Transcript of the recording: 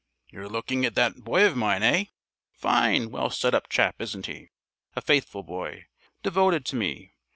"You're looking at that boy of mine, hey? Fine, well set up chap, isn't he? A faithful boy. Devoted to me.